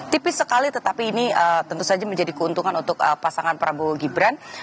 tipis sekali tetapi ini tentu saja menjadi keuntungan untuk pasangan prabowo gibran